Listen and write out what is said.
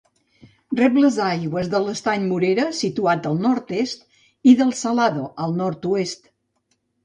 Rep les aigües de l'Estany Morera, situat al nord-est, i del Salado, al nord-oest.